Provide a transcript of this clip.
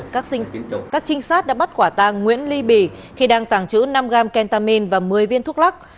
các trinh sát đã bắt quả tàng nguyễn ly bì khi đang tàng trữ năm gram kentamin và một mươi viên thuốc lắc